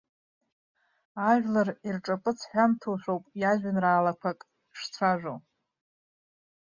Ажәлар ирҿаԥыц ҳәамҭоушәоуп иажәеинраалақәак шцәажәо.